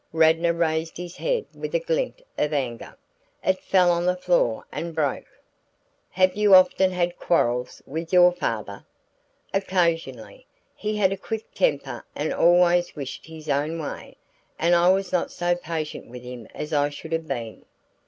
Radnor raised his head with a glint of anger. "It fell on the floor and broke." "Have you often had quarrels with your father?" "Occasionally. He had a quick temper and always wished his own way, and I was not so patient with him as I should have been."